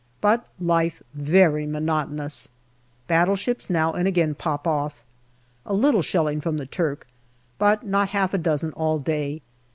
But life very monotonous. Battleships now ancj again pop off. A little shelling from the Turk, but not half a dozen all day.